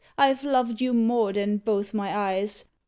I've loved you more than both my eyes.